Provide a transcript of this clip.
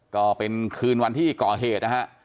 ก็เป็นคืนวันที่ก่อเหตุนะฮะ